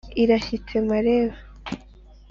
irashyitse mareba.